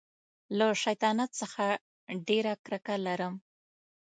له شیطانت څخه ډېره کرکه لرم.